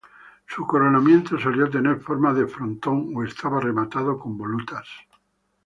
Su coronamiento solía tener forma de frontón o estaba rematado con volutas.